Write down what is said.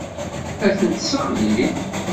Ad ten-sseɣlin.